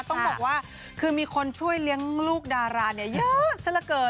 ต้องบอกว่าคือมีคนช่วยเลี้ยงลูกดาราเยอะเสียในเกิน